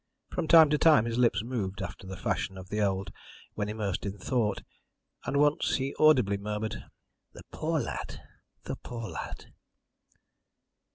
From time to time his lips moved after the fashion of the old, when immersed in thought, and once he audibly murmured, "The poor lad; the poor lad."